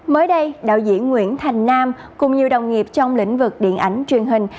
mới đây đạo diễn nguyễn thành nam cùng nhiều đồng nghiệp trong lĩnh vực điện ảnh truyền hình